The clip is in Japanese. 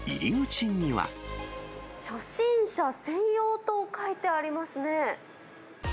初心者専用と書いてありますね。